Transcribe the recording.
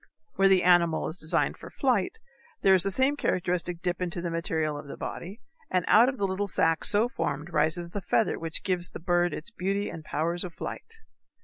Where the animal is designed for flight there is the same characteristic dip into the material of the body, and out of the little sac so formed rises the feather which gives the bird its beauty and powers of flight.